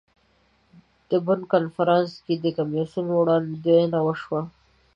د بن کنفرانس کې د کمیسیون وړاندوینه وشوه.